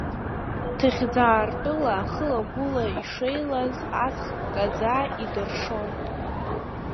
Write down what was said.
Ҭыӷьӡаа ртәыла, хыла-гәыла ишеилаз аҵх ккаӡа идыршон.